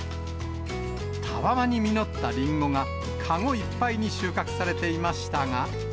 たわわに実ったリンゴが籠いっぱいに収穫されていましたが。